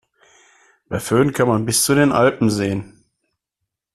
Bei Föhn kann man bis zu den Alpen sehen.